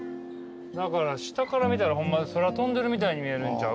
だから下から見たらホンマ空飛んでるみたいに見えるんちゃう？